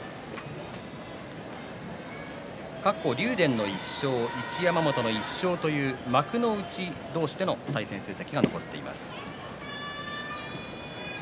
過去は竜電の１勝一山本の１勝という幕内同士での対戦成績が残っています。